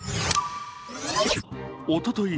おととい